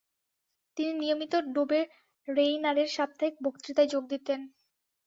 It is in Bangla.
তিনি নিয়মিত ডোবেরেইনারের সাপ্তাহিক বক্তৃতায় যোগ দিতেন।